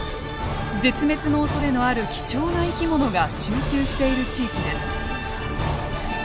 絶滅のおそれのある貴重な生き物が集中している地域です。